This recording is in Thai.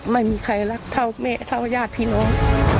ไม่มีใครรักเท่าแม่เท่าญาติพี่น้อง